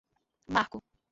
Marco